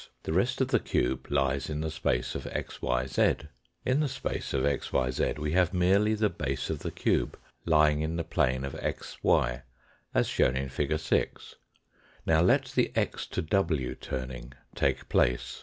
The rest ^ of the cube lies in the space of xyz. \ In the space of xyz we have merely A C the base of the cube lying in the Fig. 6 (134). plane of xy, as shown in fig. 6. Now let the x to w turning take place.